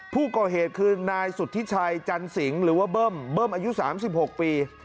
ผู้ก่อเหตุคือนายสุธิชัยจันสิงหรือว่าเบิ้มเบิ้มอายุ๓๖ปี